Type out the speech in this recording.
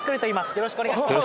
よろしくお願いします